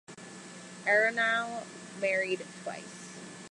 Aronow married twice.